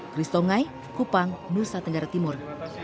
christo ngai kupang nusa tenggara timur